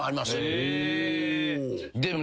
でも。